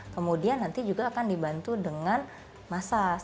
kemudian nanti juga akan dibantu dengan massas